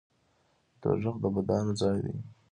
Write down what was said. دوزخ د بدانو ځای دی